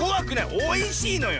おいしいのよ。